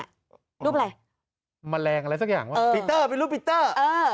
อะไรมะแรงอะไรสักอย่างว่ะมันเป็นรูปปิเตอร์